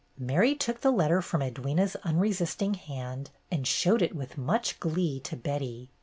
Mary took the letter from Edwyna's un resisting hand and showed it with much glee to Betty.